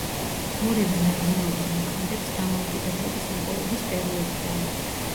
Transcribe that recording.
ორივე მეურნეობა მოქმედებს დამოუკიდებლობის მოპოვების პერიოდიდან.